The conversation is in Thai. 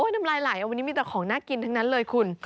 น้ำลายไหลวันนี้มีแต่ของน่ากินทั้งนั้นเลยคุณ